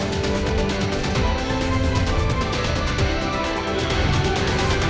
perpikiran yang tidak berhasil